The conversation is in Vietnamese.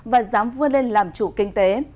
và dám vươn lên làm chủ kinh tế